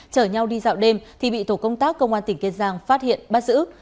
chở nhau đi dạo đêm thì bị tổ công tác công an tỉnh kiên giang phát hiện bắt giữ